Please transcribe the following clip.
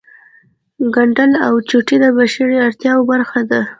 ګنډل او چوټې د بشري اړتیاوو برخه ده